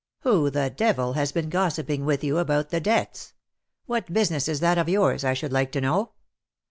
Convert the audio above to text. " Who the devil has been gossiping with you about the debts? What business is that of yours, I should like to know